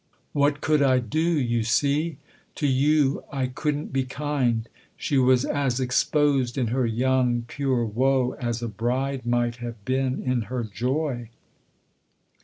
" What could I do, you see ? To you I couldn't be kind." She was as exposed in her young, pure woe as a bride might have been in her joy.